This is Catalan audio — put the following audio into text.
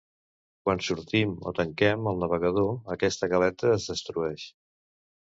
Quan sortim o tanquem el navegador aquesta galeta es destrueix.